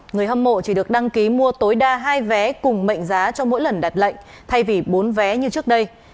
người hâm mộ chỉ được đăng ký mua tối đa hai vé cùng mệnh giá cho mỗi lần đặt lệnh thay vì bốn vé như trước đây